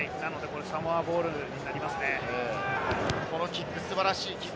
サモアボールになりますね。